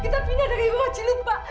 kita pindah dari rumah cilupa